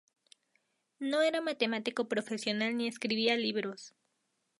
No era matemático profesional ni escribía libros.